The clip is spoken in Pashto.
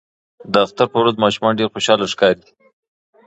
د اختر په ورځ ماشومان ډیر خوشاله ښکاري.